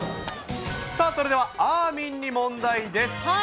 さあ、それではあーみんに問題です。